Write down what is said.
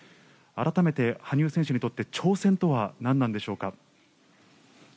改めて羽生選手にとって挑戦とは何なんでしょうか。